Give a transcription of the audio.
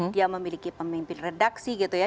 dia memiliki pemimpin redaksi gitu ya